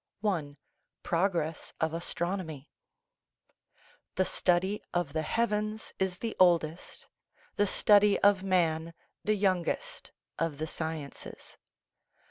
I. PROGRESS OF ASTRONOMY The study of the heavens is the oldest, the study of man the youngest, of the sciences.